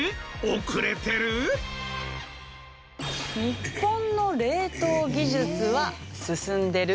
日本の冷凍技術は進んでる？